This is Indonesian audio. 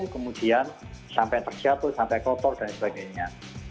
kemudian sampai terjatuh sampai kotor dan sebagainya